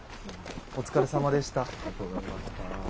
お疲れさまでした。